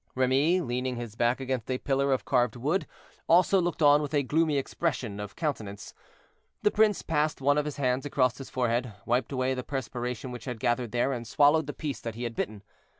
Remy, leaning his back against a pillar of carved wood, also looked on with a gloomy expression of countenance. The prince passed one of his hands across his forehead, wiped away the perspiration which had gathered there, and swallowed the piece that he had bitten.